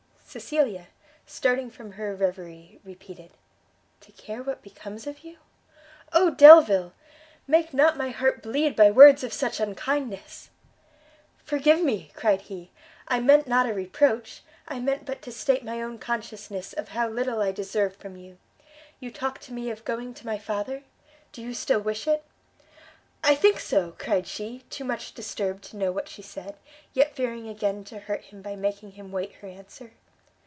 Cecilia, starting from her reverie, repeated, "To care what becomes of you ? Oh Delvile! make not my heart bleed by words of such unkindness!" "Forgive me," cried he, "I meant not a reproach; I meant but to state my own consciousness how little I deserve from you. You talked to me of going to my father? do you still wish it?" "I think so!" cried she; too much disturbed to know what she said, yet fearing again to hurt him by making him wait her answer.